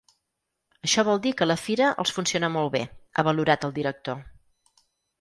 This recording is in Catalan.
“Això vol dir que la fira els funciona molt bé”, ha valorat el director.